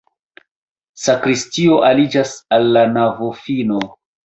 Sakristio aliĝas al la navofino.